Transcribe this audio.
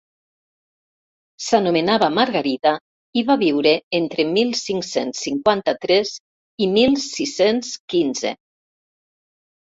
S'anomenava Margarida i va viure entre mil cinc-cents cinquanta-tres i mil sis-cents quinze.